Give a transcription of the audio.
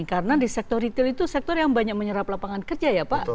karena di sektor retail itu sektor yang banyak menyerap lapangan kerja ya pak